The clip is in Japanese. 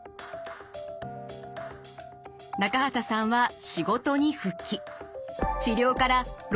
中畠さんは仕事に復帰。